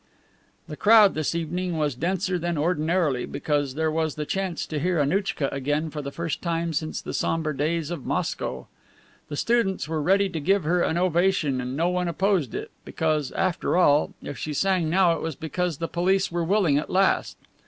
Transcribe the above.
The crowd this evening was denser than ordinarily, because there was the chance to hear Annouchka again for the first time since the somber days of Moscow. The students were ready to give her an ovation, and no one opposed it, because, after all, if she sang now it was because the police were willing at last.